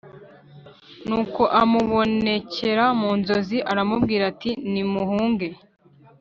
nuko amubonekera mu nzozi aramubwira ati nimuhunge